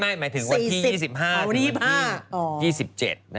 ไม่หมายถึงวันที่๒๕ถึง๒๕